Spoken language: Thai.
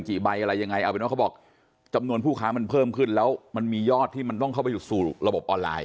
ใบอะไรยังไงเอาเป็นว่าเขาบอกจำนวนผู้ค้ามันเพิ่มขึ้นแล้วมันมียอดที่มันต้องเข้าไปอยู่สู่ระบบออนไลน